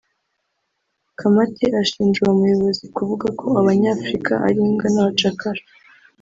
Khamati ashinja uwo muyobozi kuvuga ko abanyafurika ari imbwa n’abacakara